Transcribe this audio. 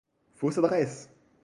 Fausse adresse!